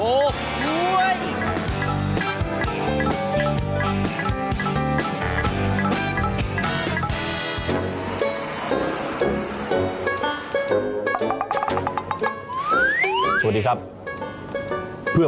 เพื่อมีความรู้สึกดีของพี่ปุ๊ณศักดิ์เตือน